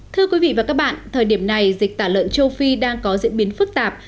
thưa quý vị và các bạn thời điểm này dịch tả lợn châu phi đang có diễn biến phức tạp